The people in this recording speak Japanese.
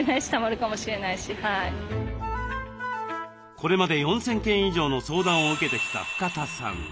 これまで４，０００件以上の相談を受けてきた深田さん